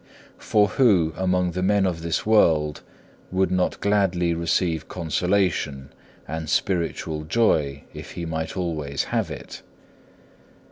For who among the men of this world would not gladly receive consolation and spiritual joy if he might always have it?